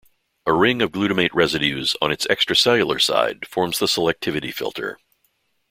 A ring of glutamate residues on its extracellular side forms the selectivity filter.